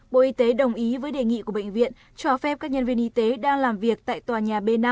bộ y tế đồng ý với đề nghị của bệnh viện cho phép các nhân viên y tế đang làm việc tại tòa nhà b năm